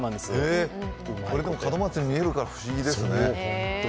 これでも門松に見えるから不思議ですね。